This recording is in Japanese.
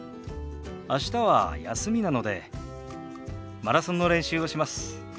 明日は休みなのでマラソンの練習をします。